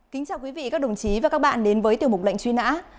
kính chào quý vị các đồng chí và các bạn đến với tiểu mục lệnh truy nã